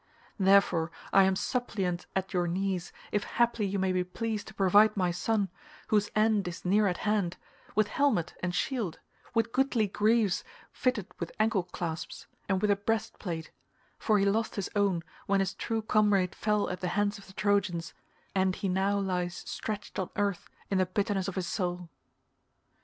Therefore I am suppliant at your knees if haply you may be pleased to provide my son, whose end is near at hand, with helmet and shield, with goodly greaves fitted with ancle clasps, and with a breastplate, for he lost his own when his true comrade fell at the hands of the Trojans, and he now lies stretched on earth in the bitterness of his soul."